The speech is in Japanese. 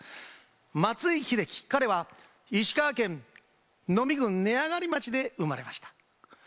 松井秀喜、彼は石川県能美郡根上町で生まれました。